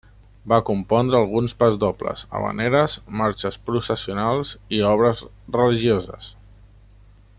Va compondre alguns pasdobles, havaneres, marxes processionals i obres religioses.